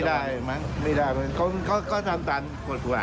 โดยมีการการแก้งกันก็มันใช้พื้นที่